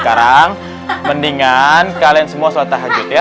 sekarang mendingan kalian semua selatah hajut ya